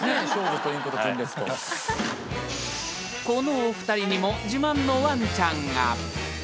［このお二人にも自慢のワンちゃんが］